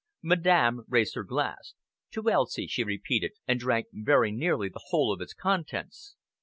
Madame raised her glass. "To Elsie!" she repeated, and drank very nearly the whole of its contents.